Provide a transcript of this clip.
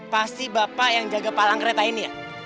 pasti bapak yang jaga palang kereta ini ya